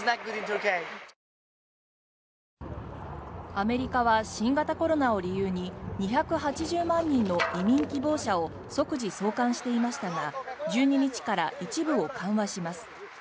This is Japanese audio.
アメリカは新型コロナを理由に２８０万人の移民希望者を即時送還していましたが１２日から一部を緩和します。